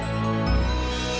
ngapain sih bu